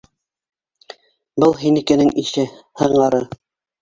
Был һинекенең ише. һыңары.